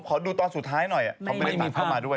ดูตอนสุดท้ายหน่อยเขาไม่ได้ตามเข้ามาด้วย